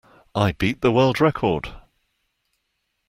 I beat the world record!